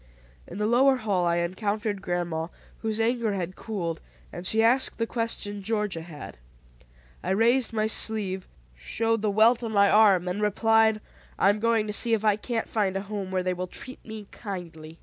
In the lower hall I encountered grandma, whose anger had cooled, and she asked the question Georgia had. I raised my sleeve, showed the welt on my arm, and replied, "I am going to see if I can't find a home where they will treat me kindly."